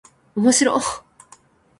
おもしろっ